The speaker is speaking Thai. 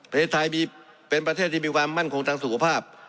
ประเทศไทยมีเป็นประเทศที่มีความมั่นคงทางสุขภาพ